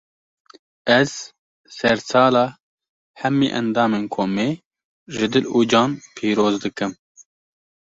Ez, sersala hemî endamên komê, ji dil û can pîroz dikim